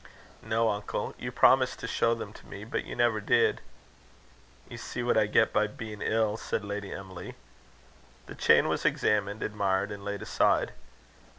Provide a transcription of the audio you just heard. "No, uncle. You promised to show them to me, but you never did." "You see what I get by being ill," said Lady Emily. The chain was examined, admired, and laid aside.